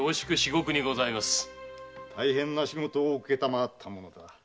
大変な仕事を承ったものだ。